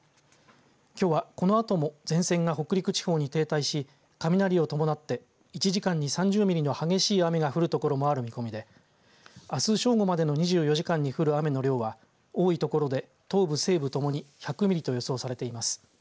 きょうはこのあとも前線が北陸地方に停滞し雷を伴って１時間に３０ミリの激しい雨が降るところもある見込みであす正午までの２４時間に降る雨の量は多いところで、東部西部ともに１００ミリと予想されています。